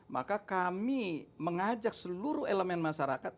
maka kami mengajak seluruh elemen masyarakat